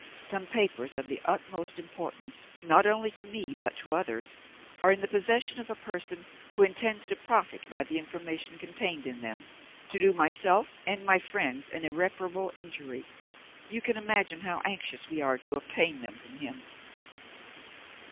Some papers of the utmost importance, not only to me but to others, are in the possession of a person who intends to profit by the information contained in them to do myself and my friends an irreparable injury. You can imagine how anxious we are to obtain them from him."